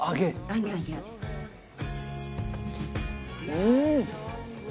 うん！